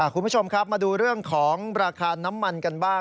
คุณผู้ชมครับมาดูเรื่องของราคาน้ำมันกันบ้าง